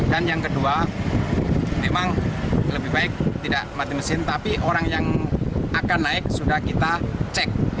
dan yang kedua memang lebih baik tidak mati mesin tapi orang yang akan naik sudah kita cek